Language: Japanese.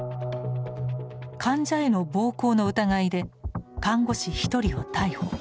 患者への暴行の疑いで看護師１人を逮捕。